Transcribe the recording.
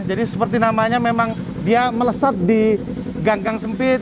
jadi seperti namanya memang dia meleset di ganggang sempit